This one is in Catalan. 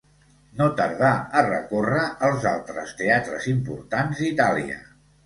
No tardà a recórrer els altres teatres importants d'Itàlia.